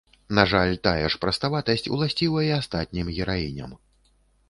На жаль, тая ж праставатасць уласціва і астатнім гераіням.